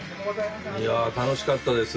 いやあ楽しかったです。